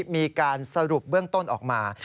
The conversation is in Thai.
มีการสรุปเบื้องต้นออกมา